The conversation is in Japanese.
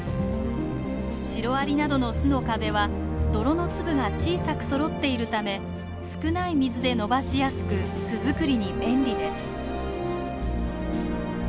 シロアリなどの巣の壁は泥の粒が小さくそろっているため少ない水でのばしやすく巣作りに便利です。